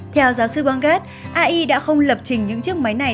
theo giáo sư banggat ai đã không lập trình những chiếc máy này